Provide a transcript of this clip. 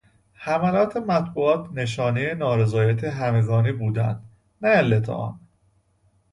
حملات مطبوعات نشانهی نارضایتی همگانی بودند نه علت آن.